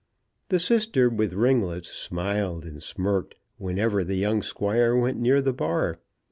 The sister with ringlets smiled and smirked whenever the young Squire went near the bar.